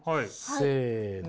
せの。